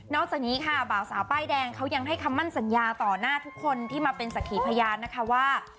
จากนี้ค่ะบ่าวสาวป้ายแดงเขายังให้คำมั่นสัญญาต่อหน้าทุกคนที่มาเป็นสักขีพยานนะคะว่า